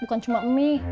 bukan cuma mie